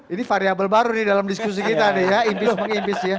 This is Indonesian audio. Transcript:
ini variable baru nih dalam diskusi kita nih ya impeach mengimpeach ya